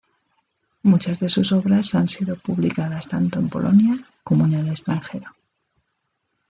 Muchas de sus obras han sido publicadas tanto en Polonia como en el extranjero.